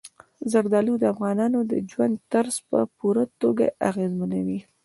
زردالو د افغانانو د ژوند طرز په پوره توګه اغېزمنوي.